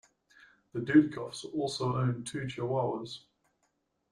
The Dudikoffs also own two chihuahuas.